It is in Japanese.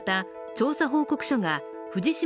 調査報告書が藤島